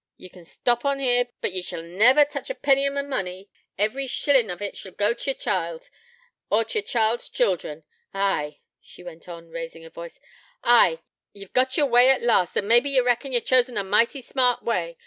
Ye can stop on here, but ye shall niver touch a penny of my money; every shillin' of 't shall go t' yer child, or to your child's children. Ay,' she went on, raising her voice, 'ay, ye've got yer way at last, and mebbe ye reckon ye've chosen a mighty smart way.